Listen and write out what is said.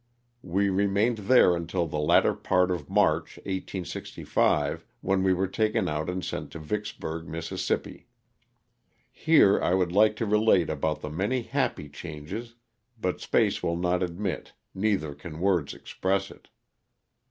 We remained there until the latter part of March, 1865, when we were taken out and sent to Vicksburg, Miss. Here 1 would like to relate about the many happy changes, but space will not admit, neither can words express it.